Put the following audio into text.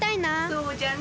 そうじゃねえ。